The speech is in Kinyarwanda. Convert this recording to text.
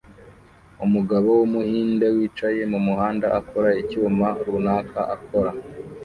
Umugabo wumuhinde wicaye mumuhanda akora icyuma runaka akora